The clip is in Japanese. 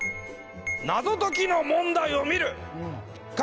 謎解きの問題を見る！